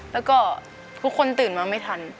แล้วก็ทุกคนตื่นมาไม่ทัน